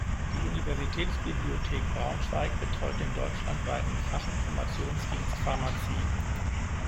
Die Universitätsbibliothek Braunschweig betreut den deutschlandweiten Fachinformationsdienst Pharmazie.